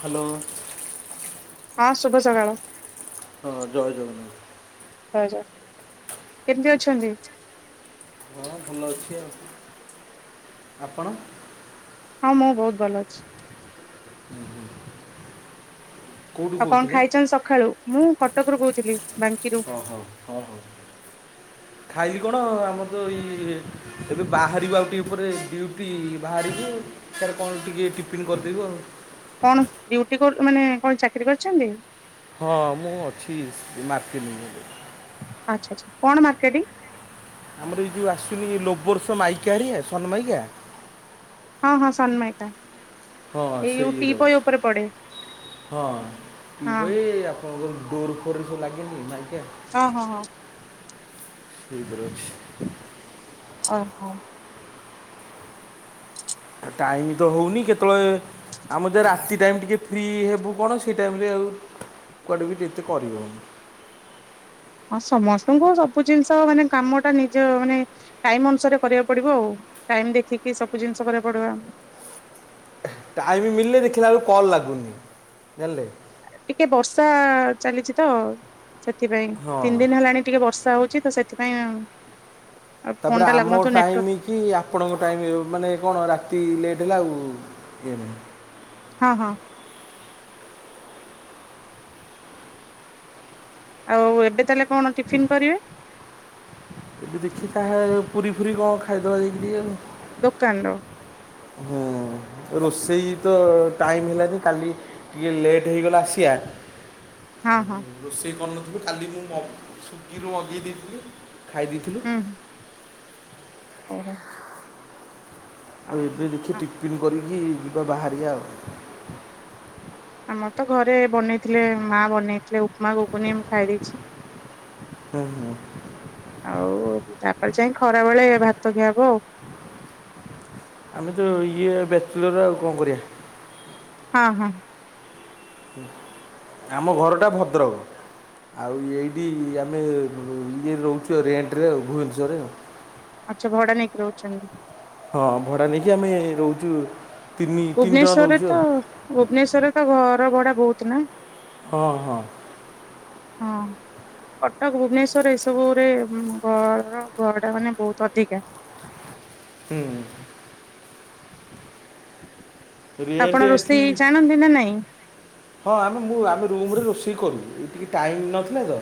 Hello. ହଁ ଶୁଭ ସକାଳ। ହଁ ଜୟ ଜଗନାଥ। ଜୟଜଗନ୍ନାଥ କେମିତି ଅଛନ୍ତି? ହଁ ଭଲ ଅଛି ଆଉ ଆପ ହଁ ମୁଁ ବହୁତ ଭଲ ଅଛି। ହୁଁ ହୁଁ। ଆଉ କଣ ଖାଇଛନ୍ ସକାଳୁ ମୁଁ କଟକରୁୁ କହୁଥିଲି ବାଙ୍କିରୁ ହଉ ହ ହଉ। ଖାଇଲି କଣ ଆମର ତ ଇ ଏବେ ବାହାରିବ ଆଉ ଟିକଏ ପରେ ଡଡିୁଟି ବାହାରିବୁ। ତାରେ କଣ ଟିକେ ଟିଫିନ୍ କରିଦେବୁ ଆଉ। କଣ ଡୁଟି ମାନେ କଣ ଚାକିରରି କରିଚନ୍ତି? ହଁ ମୁଁ ଅଛି ମାର୍କେଟିଂରେ। ଆଚ୍ଛା ଆ୍ଛା କଣ ମାର୍କେଟ? ଆମର ଏଇ ଯେଉ ଆସୁନି ଲୋବର୍ଷ ମାଇକାିରେଆ ସନମାଇକା ହଁ ହଁ ସନ୍ମାେଟା। ହଁ ସେଇ ପଡେ ରହୁଛି ହଁ ହଁ। ପବେ ଏ ଡୋର ଖୋରେ ଲାଗେ ନି ନାଇକେ। ହଁ ହଁ ହଁ। ଧ୍ରଛି ଓହୋ। ଟାଇମ ତ ହଉନି କେତେବେଳେ ଆମର ଯ ରାତି ଟାଇମ ଟିକେ ଫ୍ରି ହେବୁ କଣ ସେ ଟାଇମରେ ଆଉ କୁଆଡ଼େ ବି ଏତେ କରିବନି। ହଁ ସମସ୍ତଙ୍କୁ ସବୁ ଜିନିଷ ମାନେ କାମ ଟା ନିଜ ମାନେ ଟାଇମ ଅନୁସାରେ କରିବାକୁ ପଡିବ ଆଉ ଟାଇମ ଦେଖିକି ସବୁ ଜିନିଷ କରିବାକୁ ପଡିବ। ଟାଇମ୍ ମିଲେ ଦେଖିଲା ବେଳକୁ କଲ୍ ଲାଗୁନି ଜାଣିଲେ ଟିକେ ବର୍ଷା ଚାଲିଛି ତ ସେଥିପାଇଁ ହଁ ତିନି ଦିନ ହେଲାଣି ଟିକେ ବର୍ଷା ହଉଛି ତ ସେ ସେଥିପାଇ [unintelligible] ତାପରେ ଆମ ଟାଇମ କି ଆପଣଙ୍କ ଟାଇମ୍ ମାନେ କଣ ରାତି ଲେଟ୍ ହେଲା ଆଉ ଇଏ ନାହିଁ। ହଁ ହଁ। ଆଉ ଏବେ ତାହେଲେ କଣ ଟିଫିନ କରିବେ? ଏଠି ଦେଖି ତାହେଲେ ପୁରୀ ଫୁରୀ କଣ ଖାଇଦେବା ଦେଇକିଏ ଆଉ। ଦୋକାନ ଦବୁ। ହୁଁ ରୋଷେଇ ତ ଟାଇମ ହେଲାନି କାଲି ଟିକେ ଲେଟ୍ ହେଇଗଲା ଆସିବା। ହଁ ହଁ।। ରୋଷେଇ କରିନଥିବୁ ଖାଲି ମୁଁ ସୋଫି ମଗେଇ ଦେଇଥିଲି ଖାଇ ଦେଇଥିଲି। ହୁଁ ଓହୋ ଆଉ ଏବେ ଦେଖି ଟିପିନ୍ କରିକି ଯିବା ବାହାରିବା ଆଉ। ଆମର ତ ଘରେ ବନେଇଥିଲେ ମା ବନେଇଥିଲେ ଉପମା ଗୁଗୁନି ମୁ ଖାଇ ଦେଇଛି। ଭୁଁ ହୁଁ। ଆଉ ତାପରେଖରା ବେଳେ ଭାତ ଖିଆ ହବ ଆଉ। ଆମେ ତ ଇଏ ବ୍ୟାବ ଲର କଣ କରିବା। ହଁ ହଁ।। ଆମ ଘର ଟା ଭଦ୍ରକ। ଆଉ ଏଇଠି ଆମେ ଇଏ ରହୁଛୁ ରେଣ୍ଟରେ ଆଉ ଭୁବନେଶ୍ୱର ରେ ଆଉ। ଆଚ୍ଛା ଭଡା ନେଇକି ରହୁଛନ୍ତି। ହଁ, ଭଡ଼ା ନେଇକି ଆମେ ରହୁଛୁ। ତିନି ତିନି ଜଣ ଭୁବନେଶ୍ୱରରେ ରହୁଛୁ ଆଉ ତ ଭୁବନେଶ୍ଵରରେ ତ ଘର ଭଡା ବହୁତ ନା? ହଁ ହଁ। ହଁ। କଟକ, ଭୁବନେଶ୍ୱର ଏସବୁ ରେ ଘର ଭଡ଼ା ମାନେ ବହୁତ ଅଧିକା। ହୁଁ। ରେଣ୍ଟ ଆପଣ ଏଠି ରୋଷେଇ ଜାଣନ୍ତି ନା ନାଇଁ? ହଁ, ଆମେ ମୁଁ ଆମେ ରୁମରେ ରୋଷେଇ କରୁ। ଏ ଟିକେ ଟାଇମ୍ ନଥିଲା ତ।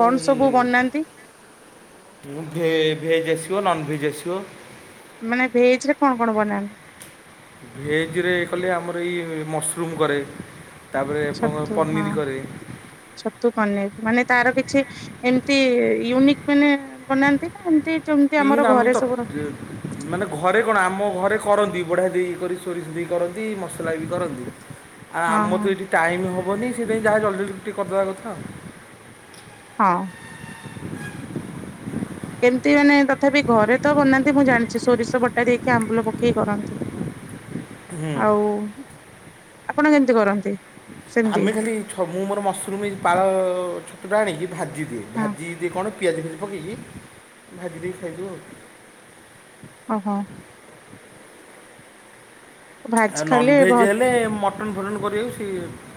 କଣ ସବୁ ବନାନ୍ତି? ଭେ-ଭେଜ୍ ଆସିବ ନନଭେଜ ଆସିବ। ମାନେ ଭେଜ ରେ କଣ କଣ ବନାନ୍ତି? ଭେଜ ରେ କଲେ ଆମର ଏଇ ମସରୁମ୍ କରେ। ତା ପରେ ଆପଣଙ୍କ ଛତୁ ହଁ ପନିର କରେ। ଛତୁ, ପନିର ମାନେ ତାର କିଛି ଏମିତି ୟୁନିକ୍ ମାନେ ବନାନ୍ତି ନା ଏମିତି ଯେମିତି ବିଭିନ୍ନ ଆମର ଆମେ ଘରେ ତ ସବୁ ର ମାନେ ଘରେ କଣ ଆମ ଘରେ କରନ୍ତି ବଢ଼ିଆ ଦେଇ କରି ସୋରିଷ ଦେଇ କରନ୍ତି ମସଲା ବି କରନ୍ତି। ଆଉ ଆମର ତ ହଁ ଏଇଠି ଟାଇମ ହବନି ସେଇଥିପାଇଁ ଯାହା ଜଲ୍ଦି ଜଲ୍ଦି ଟିକେ କରିଦେବା କଥା ଆଉ। ହଁ। କେମିତି ମାନେ ତଥାପି ଘରେ ତ ବନାନ୍ତି ମୁଁ ଜାଣିଛି ସୋରିଷ ବଟା ଦେଇକି ଆମ୍ବୁଲ ପକେଇକି କରନ୍ତି। [inaudible] ଆଉ ଆପଣ କେମିତି କରନ୍ତି? ସେମିତି ଆମେ ଖାଲି ଛ ମୁଁ ମୋର ମସରୁମ୍ ପାଳ ଛତୁଟା ଆଣିକି ଭାଜିଦିଏ। ହଁ ଭାଜିଦିଏ କଣ ପିଆଜ ଫିଆଜ ପକେଇକି ଭାଜି ଦେଇ ଖାଇ ଦଉ ଆଉ। ଓହୋଃ। ଭାଜି ଆ ଖାଲି ଭ ନନ୍ଭେଜ୍ ହେଲେ ମଟନ୍ ଫଟନ କରିବାକୁ ସେ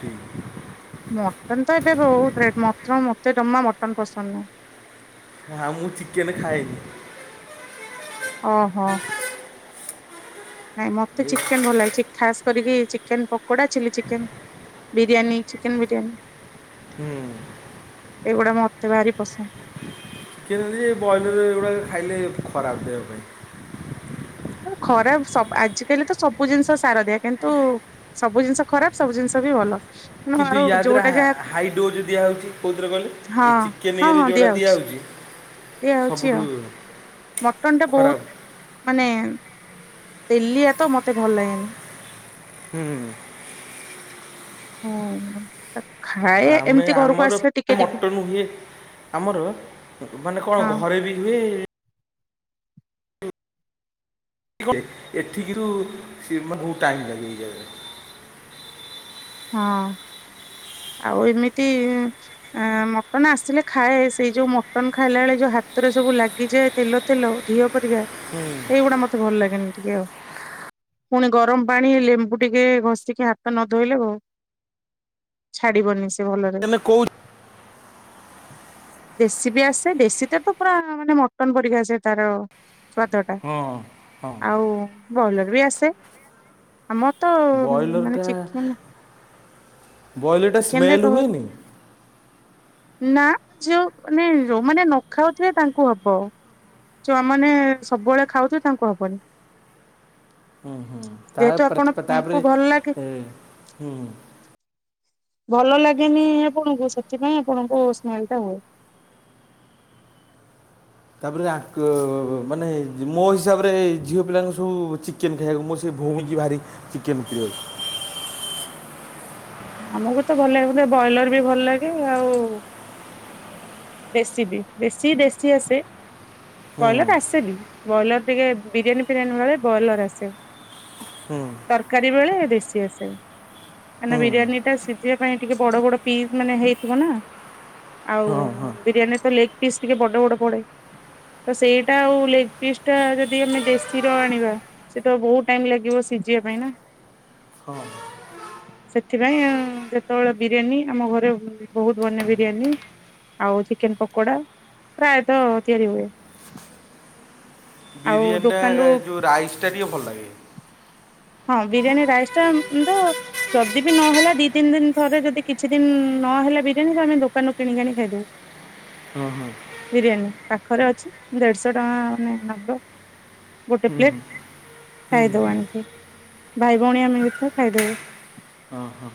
ଠିକ। ମଟନ ତ ଏବେ ବହୁତ ରେଟ, ମ ମତେ ଜମା ମଟନ ପସନ୍ଦ ନୁହଁ। ହଁ, ମୁଁ ଚିକେନ ଖଏନି। ଓହୋଃ। ନାଇଁ ମତେ ଏ- ଚିକେନ ଭଲ ଲାଗେ। ଖାସ୍ କରିକି chicken pakoda, chilli chicken. Biryani chicken biryani. ହୁଁ। ଏଇଗୁଡା ମୋ ମତେ ଭାରି ପସନ୍ଦ। [unintelligible] ବଏଲର ଗୁଡାକ ଖାଇଲେ ଖରାପ ଦେହ ପାଇଁ। ଖରାପ ସବ ଆଜିକାଲି ତ ସବୁ ଜିନିଷ ସାର ଦିଆ। କିନ୍ତୁ ସବୁ ଜିନିଷ ଖରାପ ସବୁ ଜିନିଷ ବି ଭଲ। ତେଣୁ କିନ୍ତୁ ଆଉ ୟା ଦେହରେ ଯୋଉଟା ହା- ଯାହା, ହାଇ ହଁ। କେନିୟରେ ଯୋଉଟା ଦିଆ ହେଉଛି ଦିଆ ହଉଛି ଆଉ। ମଟନ ଟା ଖରାପ ବହୁତ ମାନେ ଦେଲିଆ ତ ମତେ ଭଲ ଲାଗେନି। ହୁଁ। ହଁ। ଆମେ ଆମର ଟିକେ ଟିକେ ମଟନ ହୁଏ। ଆମର ମାନେ କଣ ହଁ ଘରେ ବି ହୁଏ ଏଠିକିରୁ ସେ ମାନେଙ୍କୁ ଟାଇମ୍ ଲାଗିବ୍ ଏଇ ଜାଗାରେ ହଁ। ଆଉ ଏମିତି ଆ ମଟନ ଆସିଲେ ଖାଏ ସେଇ ଯୋଉ ମଟନ ଖାଇଲା ବେଳେ ଯୋଉ ହାତରେ ସବୁ ଲାଗିଯାଏ ତେଲ ତେଲ ଘିଅ ପରିକା ଏଇଗୁଡା ମତେ ଭଲ ଲାଗେନି ଟିକେ ଆଉ ପୁଣି ଗରମ ପାଣି ଲେମ୍ବୁ ଟିକେ ଘଷିକି ହାତ ନ ଧୋଇଲେ ବଉ ଛାଡିବନି ସେ ଭଲରେ। ତମେ କୋଉ ଦେଶୀ ବି ଆସେ ଦେଶୀ ତ ତ ପୁରା ମାନେ ମଟନ ପରିକି ଆସେ ତାର ସ୍ୱାଦ ଟା ହଁ ହଁ ଆଉ ବଲର ବି ଆସେ। ଆମର ତ ମାନେ ବ୍ରଏଲର୍ଟା ଚିକେନେ ବ୍ରଏଲର୍ଟା ଚିକେନ ଟା ସ୍ମେଲ୍ କୁ ହୁଏନି ନା ଯଉ ମାନେ ଯୋଉମାନେ ନ ଖାଉଥିବେ ତାଙ୍କୁ ହବ। ଛୁଆମାନେେ ସବୁବେଳେ ଖାଉଥିବେ ତାଙ୍କୁ ହବନି। ହୁ ହୁଁ ତା ଯେହେତୁ ଉପରେ ତା ତାପରେ ଆପଣଙ୍କୁ ଭଲ ଲାଗେ ହୁୁ ଭଲ ଲାଗେନି ଆପଣଙ୍କୁ ସେଥିପାଇଁ ଆପଣଙ୍କୁ ସ୍ମେଲେ ଟା ହୁଏ। ତା ପରେ ଆଙ୍କୁ ଅ ମାନେ ମୋ ହିସାବରେ ଝିଅ ପିଲାଙ୍କୁ ସବୁ ଚି ଚିକେନ୍ ଖାଇବାକୁ ମୋ ସେଇ ଭଉଣୀ ଭାରି ଚିକେନ୍ ପ୍ରିୟ। ଆମକୁ ତ ଭଲ ଲାଗେ ବୋଧେ ବଏଲର ବି ଭଲ ଲାଗେ ଆଉ ଦେଶୀ ବି ବେଶୀ ଦେଶୀ ଆସେ। ବ୍ରଏଲର ଆସେନି ବ୍ରଏଲର ଟିକେ ବିରିୟାନୀ ଫିରିୟାନୀ ନେଳେ ବ୍ରଏଲର ଆସେ। ହୁଁ ତରକାରୀ ବେଳେ ଦେଶୀ ଆସେ ହୁଁ ହେ ବିରିୟାନୀ ଟା ସିଝିବା ପାଇଁ ଟିକେ ବଡ ବଡ ପି ମାନେ ହେଇଥିବ ନା ଆଉ ହଁ ହଁ ବିରିୟାନୀ ତ ଲେଗ ପିସ୍ ଟିକେ ବଡ ବଡ ପଡେ। ତ ସେଇଟା ଆଉ ଲେଗ ପିସ୍ ଟା ଯଦି ଆମେ ଦେଶୀର ଆଣିବା। ସେ ତ ବହୁତ ଟାଇମ ଲାଗିବ ସିଝିବା ପାଇଁ ନା। ହଁ। [unintelligible] ସେଥିପାଇଁ ଆ ଯେତେବେଳେ ବିରିୟାନୀ ଆମ ଘରେ ବହୁତ ବନେ ବିରିୟାନୀ। ଆଉ ଚିକେନ ପକୋଡା ପ୍ରାୟତଃ ତିଆରି ହୁଏ। ଆଉ ବିରିୟାନୀ ଟା ଦୋକାନରୁୁ ଏ ଯଉ ରାଇସ ଟା ଟିକେ ଭଲ ଲାଗେ। ହଁ ବିରିୟାନୀ ରାଇସ୍ ଟା ଉ ମ ତ ଯଦି ବି ନହଲା ଦି ତିନି ଦିନ ଥରେ ଯଦି କିଛି ଦିନ ନହେଲା ବିରିୟାନୀ ତ ଆମେ ଦୋକାନରୁ କିଣିକି ଆଣିକି ଖାଇଦଉ। ହୁଁ ହୁଁ। ବିରିୟାନୀ ପାଖରେ ଅଛି ଦେଢଶହ ଟଙ୍କା ମାନେ ନବ ଗୋଟେ ପ୍ଲେଟ ଖାଇଦୋଉ ଆଣିକି ଭାଇ ଭଉଣୀ ଆମେ [unintelligible] ଖାଇଦୋଉ। ହଁ ହଁ।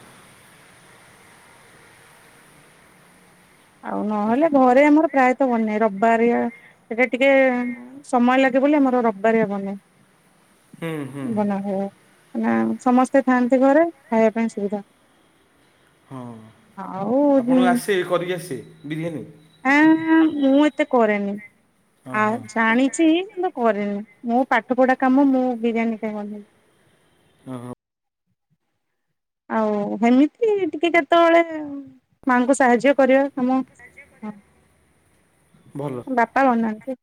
ଆଉ ନହେଲେ ଘରେ ଆମର ପ୍ରାୟତଃ ବନେ ରବିବାରିଆ। ସେଟା ଟିକେ ସମୟ ଲାଗେ ବୋଲି ଆମର ରବିବାରଆ ବନେ। ହୁଁ ହୁଁ ବନା ହୁଏ ଏଇନା ସମସ୍ତେ ଥାଆନ୍ତି ଘରେ ଖାଇବା ପାଇଁ ସୁବିଧା। ହଁ। ହାଉ ଆପଣଙ୍କୁ ଆସେ କରିକି ଆସେ ବିରିୟାନୀ ଆଁ -ମୁଁ ଏତେ କରେନି। ହଁ ଆଉ ହଁ ଜାଣିଚି କିନ୍ତୁ କରିନି ମୁଁ ପାଠ ପଢା କାମ ମୁଁ ବିରିୟାନୀ କେବେ ବନେଇନି। ହଁ ହଁ ଆଉ ହେମିତି ଟିକେ କେତେବଳେ ମାଆଙ୍କୁ ସାହାଯ୍ୟ କରିବା କାମ -ହଁ। ଭଲ। ବାପା ବନାନ୍ତି।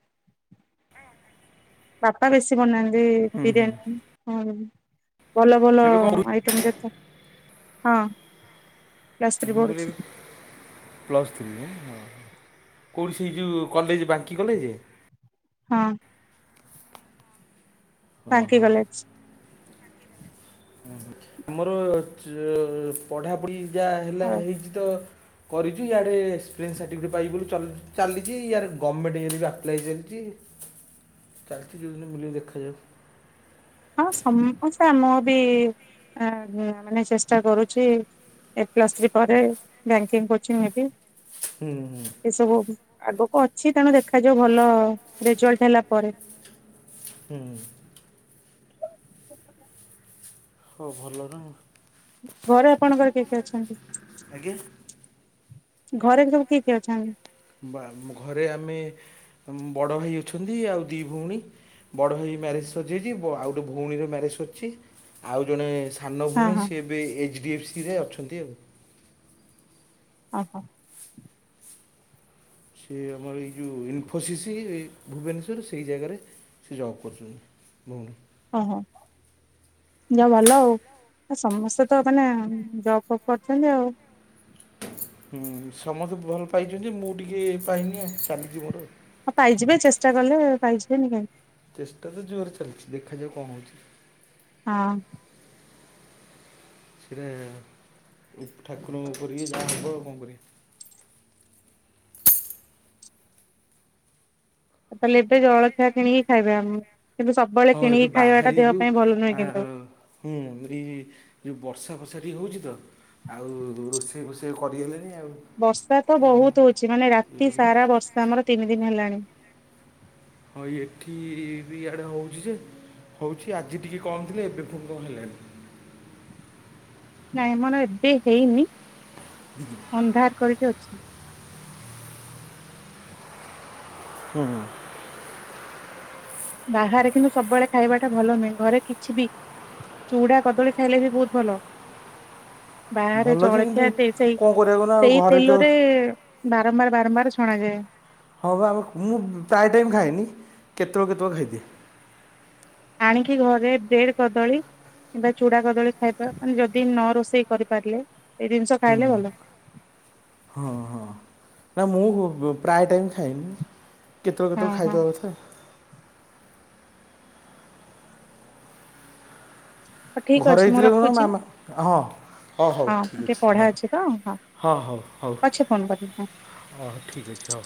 ବାପା ବେଶୀ ବନାନ୍ତି ବିରିୟାନୀ। ହୁଁ। ଭଲ ଭଲ ଏବେ କ'ଣ ଆଇଟମ୍ ଯେତେ- ହଁ ପ୍ଲସ୍ ଥ୍ରୀ ମୁଁ କହିଲି ଏବେ ପଢୁଚି। ପ୍ଲସ୍ ଥ୍ରୀ ହଁ କୋଉଠି ସେ ଯୋଉ କଲେଜେ ବାଙ୍କି କଲେଜେ? ହଁ। ହଁ ବାଙ୍କି ହଁ କଲେଜ୍। ହଁ ଆମର ଚ ପଢ଼ାପଢ଼ି ଯାହା ହେଲା ହଉ ହେଇଚି ତ କରିଚି ଇଆଡ଼େ ଏକ୍ସପିରିଏନ୍ସ ସାର୍ଟିଫିକେଟ୍ ପାଇ ବୋଲି ଚଲ୍ ଚାଲିଚି ୟାଡେ ଗମେଣ୍ଟ୍ ଇଏରେ ବି ଆପ୍ଲାଏ ଚାଲିଚି। ଚାଲିଚି ଯୋଉଦିନ ମିିଲେ ଦେଖାଯାଉ। ହଁ ସମସ୍ତେ ଆମ -ମୁଁ ବି- ଆ- ମାନେ ଚେଷ୍ଟା କରୁଚି। ଏ ପ୍ଲସ୍ ଥ୍ରୀ ପରେ ବ୍ୟାଙ୍କିଙ୍ଗ୍ କୋଚିଂ ନେବି। ହୁଁ। ଏ ସବୁ ଆଗକୁ ଅଛି ତେଣୁ ଦେଖାଯାଉ ଭଲ ରେଜଲ୍ଟ୍ ହେଲା ପରେ। ହୁଁ। ଆଉ ଭଲ ନା ଆଉ। ଘରେ ଆପଣଙ୍କର କିଏ କିଏ ଅଛନ୍ତି? ଆଜ୍ଞା। ଘରେ ସବୁ କିଏ କିଏ ଅଛନ୍? ବା-ଘରେ ଆମେ ବଡ଼ ଭାଇ ଅଛନ୍ତି ଆଉ ଦି ଭଉଣୀ। ବଡ଼ ଭାଇ ମ୍ୟାରେଜ୍ ସରିଯାଇଚି ବ-ଆଉ ଗୋଟେ ଭଉଣୀର ମ୍ୟାରେଜ୍ ସରିଚି ଆଉ ଜଣେ ସାନ ହଁ ଭଉଣୀ ହଁ ସିଏ ବି ଏଚ୍ -ଡି- ଏଫ୍ -ସି ରେ ଅଛନ୍ତି ଆଉ। ଅହ। ସେ ଆମର ଏଇ ଯୋଉ ଇନ୍‌ଫୋର୍‌ସିସି ଭୁବନେଶ୍ୱର ସେଇ ଜାଗାରେ। ସେ ଜବ୍ କରୁଚନ୍ତି ଭଉଣୀ। ଅହ। ଯା ଭଲ ଆଉ ସମସ୍ତେ ତ ମାନେ ଜବ୍ ଫବ୍ କରିଚନ୍ତି ଆଉ। ହୁଁ ସମସ୍ତେ ଭଲ୍ ପାଇଚନ୍ତି ମୁଁ ଟିକେ ପାଇନି ଆ- ଚାଲିଚି ମୋର ଆଉ। ହ ପାଇଯିବେ ଚେଷ୍ଟା କଲେ ପାଇଯିବେନି କାହିଁକି। ଚେଷ୍ଟା ତ ଜୋରରେ ଚାଲିଚି ଦେଖାଯାଉ କଣ ହୋଉଚି। ହଁ। ସେଇଟା ଠାକୁରଙ୍କ ଉପରେ ବି ଯାହା ହବ କଣ କରିବା। ତାହେଲେ ଏବେ ଜଳଖିଆ କିଣିକି ଖାଇବେ ଆମ କିନ୍ତୁ ସବୁବେଳେ ହଁ ଏବେ କିଣିକି ଖାଇବାଟା ଦେହ ବାହାରିବୁ ପାଇଁ ଭଲ ନୁହେଁ ଆ, କିନ୍ତୁ। ହୁଁ ଏଇ ଯୋଉ ବର୍ଷା ଫର୍ଷା ଟିକେ ହୋଉଚି ତ। ଆଉ ରୋଷେଇ ଫୋଷେଇ କରିହେଲାନି ଆଉ। ବର୍ଷା ତ ବହୁତ୍ ହୋଉଚି ମାନେ ଇଏ ରାତି କରି- ସାରା ବର୍ଷା ଆମର ତିନି ଦିନି ହେଲାଣି। ହଁ ଏଠି ବି ଇଆଡ଼େ ହୋଉଚି ଯେ ହୋଉଚି ଆଜି ଟିକେ କଣ ଥିଲେ ଏବେ ଫୁଣି କଣ ହେଲାଣି। ନାଇଁ ଆମର ଏବେ ହେଇନି। ହୁଁ ହୁଁ। ଅନ୍ଧାର୍ କରିକି ଅଛି। ହୁଁ- ହୁଁ। ବାହାରେ କିନ୍ତୁ ସବୁବେଳେ ଖାଇବା ଟା ଭଲ ନୁହେଁ ଘରେ କିଛି ବି ଚୁଡା କଦଳୀ ଖାଇଲେ ବି ବହୁତ୍ ଭଲ। ବାହାରେ ଭଲ ଯେ କିନ୍ତୁ ଜଳଖିଆ ଦେଇ ସେଇ କ'ଣ କରିବାକୁ ନା ଆଉ ସେଇ ଘରେ ତ ତେଲରେ ବାରମ୍ବାର ବାରମ୍ବାର ଛଣାଯାଏ। ହଁ ବା ମୁଁ ପ୍ରାୟ ଟାଇମ୍ ଖାଏନି କେତେବେଳେ କେତେବେଳେ ଖାଇଦିଏ। ଆଣିକି ଘରେ ବ୍ରେଡ କଦଳୀ କିମ୍ବା ଚୁଡା କଦଳୀ ଖାଇବା ମାନେ ଯଦି ନ ରୋଷେଇ କରିପାରିଲେ ଏଇ ଜିନିଷ ହୁଁ ଖାଇଲେ ଭଲ। ହଁ ହଁ ନା ମୁଁ ପ୍ରାୟ ଟାଇମ୍ ଖାଏନି କେତେବେଳେ ହଁ କେତେବେଳେ ହଁ ଖାଇବା କଥା। ଠିକ ଘରେ ଅଛି ମୁଁ ହେଇଥିଲେ କଣ ରଖୁଛି ମାମା ହଁ। ହଁ ହଉ ଠିକ୍ ଅଛି ହଉ ହଁ ହଉ ହଉ। ପଛେ ଫୋନ କରିବି ହଁ। ହ ଠିକ ଅଛି ହଉ।